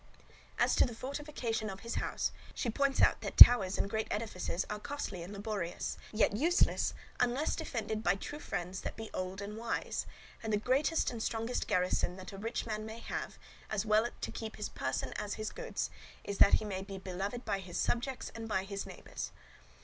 As to the fortification of his house, she points out that towers and great edifices are costly and laborious, yet useless unless defended by true friends that be old and wise; and the greatest and strongest garrison that a rich man may have, as well to keep his person as his goods, is, that he be beloved by his subjects and by his neighbours.